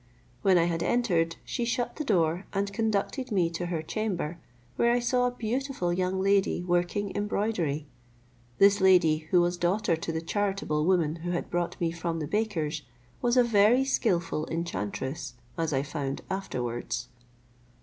When I had entered, she shut the door, and conduded me to her chamber, where I saw a beautiful young lady working embroidery. This lady, who was daughter to the charitable woman who had brought me from the baker's, was a very skilful enchantress, as I found afterwards.